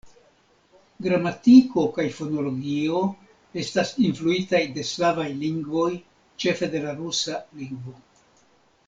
Gramatiko kaj fonologio estas influitaj de slavaj lingvoj, ĉefe de la rusa lingvo.